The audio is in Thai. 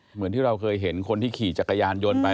เหมือนที่เราเคยเห็นคนที่ขี่จักรยานยนต์ไป